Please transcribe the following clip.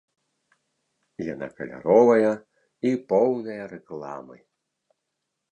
Яна каляровая, і поўная рэкламы.